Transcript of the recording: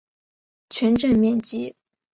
全镇面积。